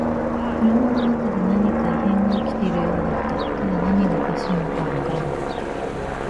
車の中で何か異変が起きているようだった。ただ何がおかしいのかわからなかった。